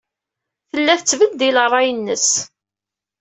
Tella tettbeddil ṛṛay-nnes.